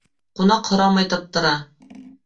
Ҡунаҡ һорамай таптыра